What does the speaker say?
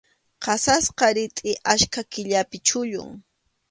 Qasasqa ritʼiqa achka killapi chullun.